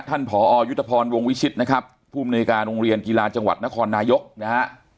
ผอยุทธพรวงวิชิตนะครับภูมิในการโรงเรียนกีฬาจังหวัดนครนายกนะฮะ